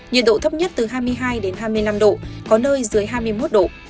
nhiệt độ thấp nhất từ hai mươi hai đến hai mươi năm độ có nơi dưới hai mươi một độ